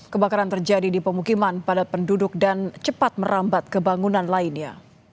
kebakaran terjadi di pemukiman padat penduduk dan cepat merambat ke bangunan lainnya